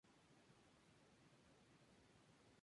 Es característica su policromía oscura.